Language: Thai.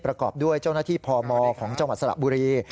ประกอบด้วยเจ้าหน้าที่พมของจังหวัดสระบุรี